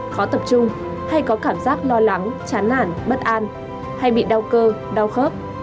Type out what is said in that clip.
khó tập trung hay có cảm giác lo lắng chán nản bất an hay bị đau cơ đau khớp